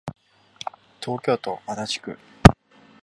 東京都足立区